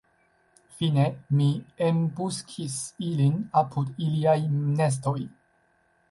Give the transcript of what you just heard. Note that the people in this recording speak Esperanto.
Fine, mi embuskis ilin apud iliaj nestoj.